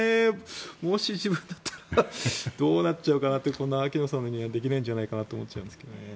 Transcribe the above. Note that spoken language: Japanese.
もし自分だったらどうなっちゃうかなって秋野さんのようにはできないんじゃないかなと思いますけど。